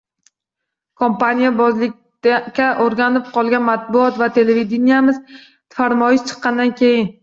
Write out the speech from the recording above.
Kompaniyabozlikka o‘rganib qolgan matbuot va televideniyamiz farmoyish chiqqandan keyin